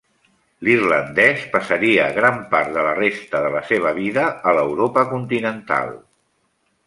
L'irlandès passaria gran part de la resta de la seva vida a l'Europa continental.